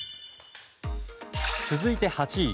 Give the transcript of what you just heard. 続いて８位。